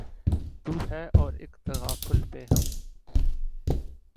تو ہے اور اک تغافل پیہم